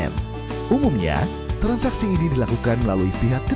yang meliputi setiap transaksi elektronik barang atau jasa antar konsumen